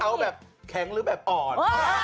เขาแบบแข็งหรือแบบอ่อน